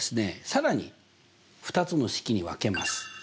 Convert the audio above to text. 更に２つの式に分けます。